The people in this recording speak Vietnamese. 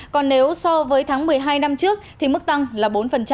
còn nếu so với tháng một mươi hai năm trước thì mức tăng là bốn